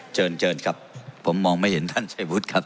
เชิญเชิญครับผมมองไม่เห็นท่านชัยวุฒิครับ